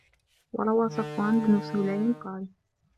وَرَوَى صَفْوَانُ بْنُ سُلَيْمٍ قَالَ